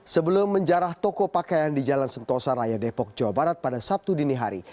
sebelum menjarah toko pakaian di jalan sentosa raya depok jawa barat pada sabtu dini hari